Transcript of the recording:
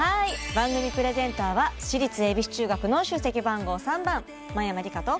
番組プレゼンターは私立恵比寿中学の出席番号３番真山りかと。